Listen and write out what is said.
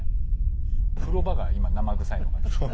風呂場が今生臭いのが。